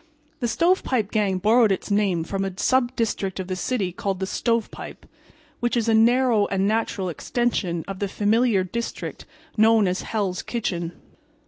The Stovepipe Gang borrowed its name from a sub district of the city called the "Stovepipe," which is a narrow and natural extension of the familiar district known as "Hell's Kitchen."